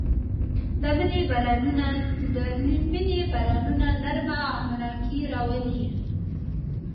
د مني بارانونه نرمه غمناکي راولي